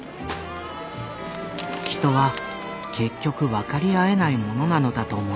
「人は結局分かり合えないものなのだと思います。